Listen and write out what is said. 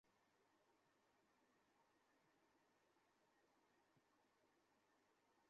আচ্ছা, ওকে হারাতে দিও না।